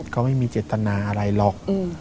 ก็ไม่มีเจตนาอะไรหรอก